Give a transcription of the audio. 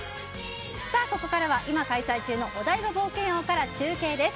ここからは今開催中のお台場冒険王から中継です。